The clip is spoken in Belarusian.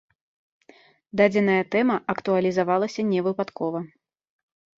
Дадзеная тэма актуалізавалася не выпадкова.